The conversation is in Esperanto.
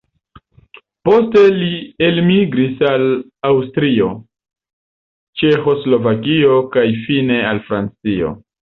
Poste li elmigris al Aŭstrio, Ĉeĥoslovakio kaj fine al Francio.